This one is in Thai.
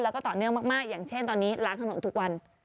แล้วก็ต่อเนื่องมากอย่างเช่นตอนนี้ล้างถนนทุกวัน